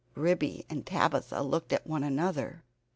Ribby and Tabitha looked at one another.